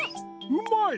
うまい！